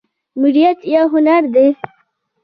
میریت یو هنر دی